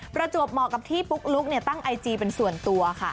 ประจวบเหมาะกับที่ปุ๊กลุ๊กตั้งไอจีเป็นส่วนตัวค่ะ